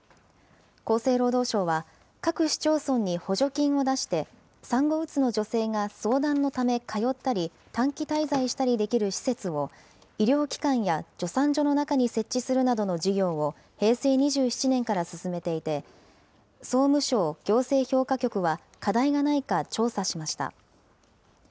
厚生労働省は、各市町村に補助金を出して、産後うつの女性が相談のため通ったり、短期滞在したりできる施設を、医療機関や助産所の中に設置するなどの事業を平成２７年から進めていて、総務省行政評価局は課題がないか調査しました。